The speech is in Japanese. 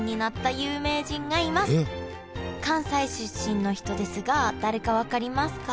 関西出身の人ですが誰か分かりますか？